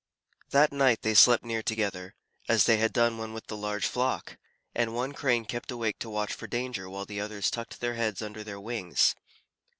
That night they slept near together, as they had done when with the large flock, and one Crane kept awake to watch for danger while the others tucked their heads under their wings.